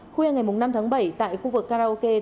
khuya ngày năm tháng bảy tại khu vực karaoke